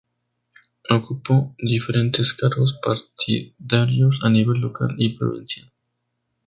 Ocupó diferentes cargos partidarios a nivel local y provincial.